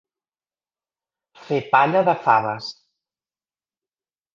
Fer palla de faves.